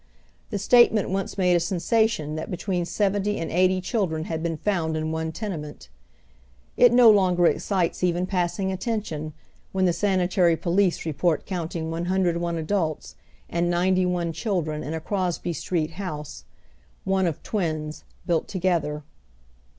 The 6tatement once made a sensation that between seventy and eighty children had been found in one tenement. It no longer excites even passing attention, when the sanitary police report counting 101 adults and 91 children in a Crosby Street liouse, one of twins, built togetlier.